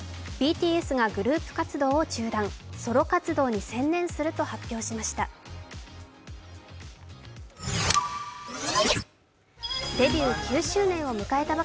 ＢＴＳがグループ活動を中断ソロ活動に専念すると発表しました。